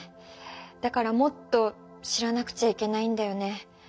だからもっと知らなくちゃいけないんだよね。